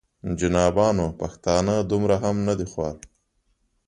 جنابانو پښتانه دومره هم نه دي خوار.